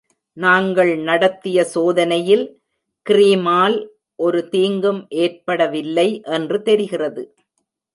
நாங்கள் நடத்திய சோதனையில் கிரீமால் ஒரு தீங்கும் ஏற்படவில்லை என்று தெரிகிறது.